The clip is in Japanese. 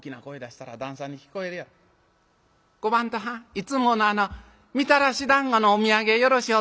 いつものあのみたらしだんごのお土産よろしゅう